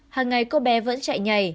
hàng ngày cô bé vẫn chạy nhảy